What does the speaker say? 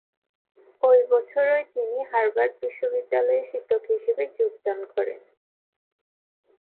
ঐ বছরই তিনি হার্ভার্ড বিশ্ববিদ্যালয়ে শিক্ষক হিসেবে যোগদান করেন।